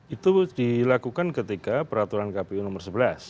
itu dilakukan ketika peraturan kpu nomor sebelas